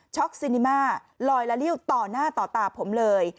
ซินิมาลอยละริ้วต่อหน้าต่อตาผมเลย